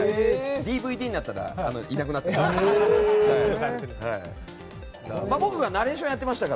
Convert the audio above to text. ＤＶＤになったらいなくなってました。